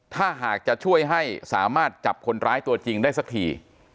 ถ้าหากจะช่วยให้สามารถจับคนร้ายตัวจริงได้สักที